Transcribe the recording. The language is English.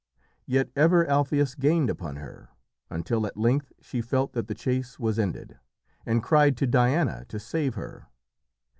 Yet ever Alpheus gained upon her, until at length she felt that the chase was ended, and cried to Diana to save her.